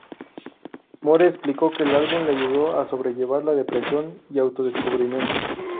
Moore explicó que el álbum le ayudó a sobrellevar la depresión y auto-descubrimiento.